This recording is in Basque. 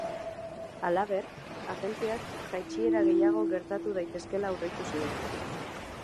Halaber, agentziak jaitsiera gehiago gertatu daitezkeela aurreikusi du.